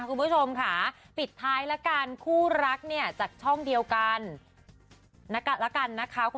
คุณผู้ชมค่ะปิดท้ายแล้วกันคู่รักจากช่องเดียวกัน